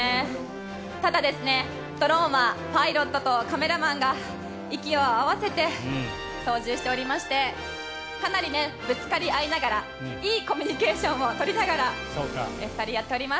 ただ、ドローンはパイロットとカメラマンが息を合わせて操縦しておりましてかなりぶつかり合いながらいいコミュニケーションを取りながらお二人、やっております。